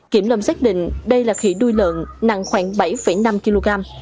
kiểm lâm xác định đây là khỉ đuôi lợn nặng khoảng bảy năm kg